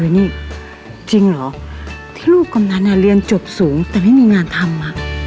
นี่จริงเหรอที่ลูกกำนันเรียนจบสูงแต่ไม่มีงานทำ